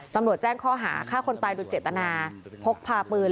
ตำรวจแจ้งข้อหาฆ่าคนตายโดยเจตนาพกพาปืน